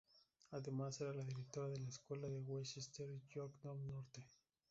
Además, era la directora de la Escuela de Westchester Yorktown Norte.